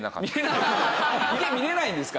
池見れないんですか？